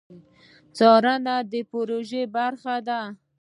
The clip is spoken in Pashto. څارنه د پروژې برخه ده